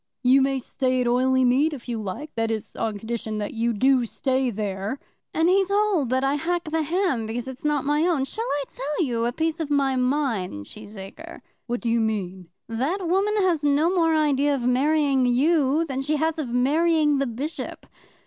"You may stay at Oileymead, if you like; that is, on condition that you do stay there." "And be told that I hack the ham because it's not my own. Shall I tell you a piece of my mind, Cheesacre?" "What do you mean?" "That woman has no more idea of marrying you than she has of marrying the Bishop.